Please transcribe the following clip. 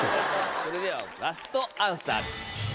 それではラストアンサーです。